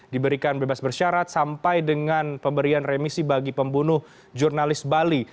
diberikan bebas bersyarat sampai dengan pemberian remisi bagi pembunuh jurnalis bali